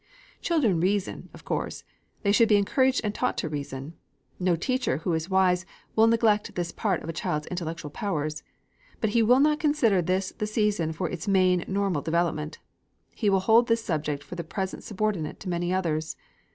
Children reason, of course. They should be encouraged and taught to reason. No teacher, who is wise, will neglect this part of a child's intellectual powers. But he will not consider this the season for its main, normal development. He will hold this subject for the present subordinate to many others.